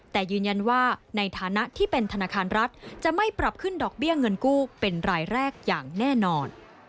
แต่ยืนยันว่าในฐานะที่เป็นธนาคารรัฐจะไม่ปรับขึ้นดอกเบี้ยเงินกู้เป็นรายแรกอย่างแน่นอน